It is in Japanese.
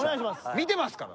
見てますから。